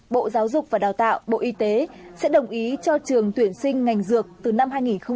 bộ giáo dục và đào tạo bộ y tế sẽ đồng ý cho trường tuyển sinh ngành dược từ năm hai nghìn hai mươi